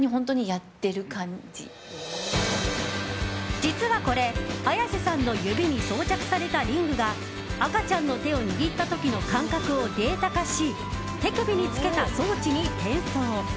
実はこれ、綾瀬さんの指に装着されたリングが赤ちゃんの手を握った時の感覚をデータ化し手首に付けた装置に転送。